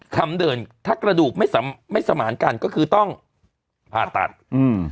ทำเดินถ้ากระดูกไม่สมานกันก็คือต้องผ่าตัดอืม